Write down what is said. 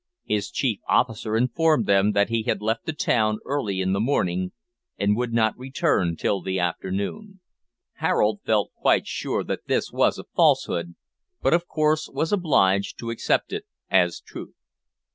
His chief officer informed them that he had left the town early in the morning, and would not return till the afternoon. Harold felt quite sure that this was a falsehood, but of course was obliged to accept it as truth.